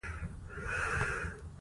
تاریخ د جذباتو سمندر دی.